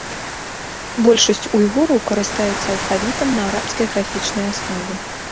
Большасць уйгураў карыстаюцца алфавітам на арабскай графічнай аснове.